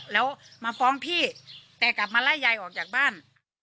แล้วมาฟ้องพี่แต่กลับมาไล่ยายออกจากบ้าน